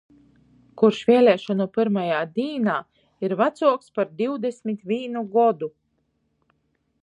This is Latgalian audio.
Kurs vieliešonu pyrmajā dīnā ir vacuoks par divdesmit vīnu godu.